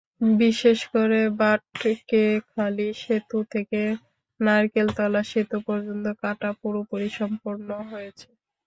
বিশেষ করে বাটকেখালী সেতু থেকে নারকেলতলা সেতু পর্যন্ত কাটা পুরোপুরি সম্পন্ন হয়েছে।